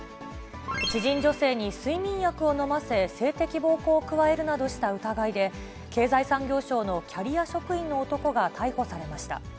知人女性に睡眠薬を飲ませ、性的暴行を加えるなどした疑いで、経済産業省のキャリア職員の男が逮捕されました。